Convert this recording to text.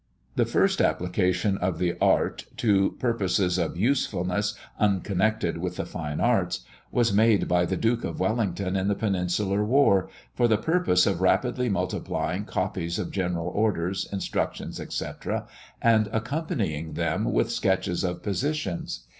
The first application of the art to purposes of usefulness unconnected with the fine arts, was made by the Duke of Wellington in the Peninsular War, for the purpose of rapidly multiplying copies of general orders, instructions, etc., and accompanying them with sketches of positions.